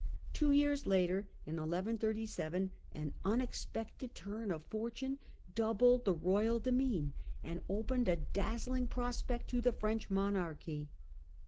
Two years later, in 1137, an unexpected turn of fortune doubled the royal demesne and opened a dazzling prospect to the French monarchy.